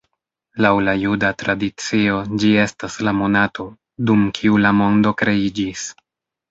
Laŭ la juda tradicio, ĝi estas la monato, dum kiu la mondo kreiĝis.